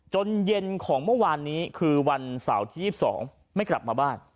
เย็นของเมื่อวานนี้คือวันเสาร์ที่๒๒ไม่กลับมาบ้าน